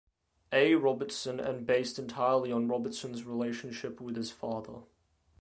A. Robertson, and based entirely on Robertson's relationship with his father.